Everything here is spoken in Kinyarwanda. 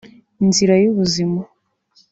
Inzira y’ubuzima